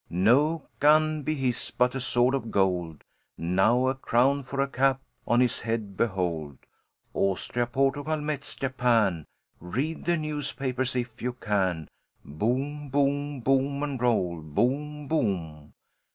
No gun be his but a sword of gold; Now a crown for a cap on his head behold! Austria, Portugal, Metz, Japan, Read the newspapers, if you can. Boom, boom, boom, and roll. Boom, boom.